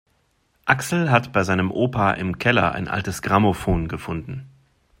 Axel hat bei seinem Opa im Keller ein altes Grammophon gefunden.